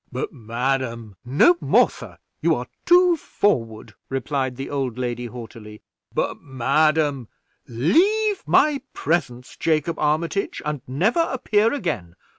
"But, madam " "No more, sir; you are too forward," replied the old lady, haughtily. "But, madam " "Leave my presence, Jacob Armitage, and never appear again.